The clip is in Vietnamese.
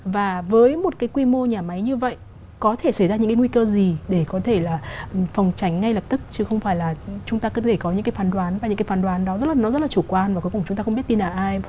và với một cái quy mô nhà máy như vậy có thể xảy ra những cái nguy cơ gì để có thể là phòng tránh ngay lập tức chứ không phải là chúng ta có thể có những cái phán đoán và những cái phán đoán đó rất là nó rất là chủ quan và cuối cùng chúng ta không biết tin là ai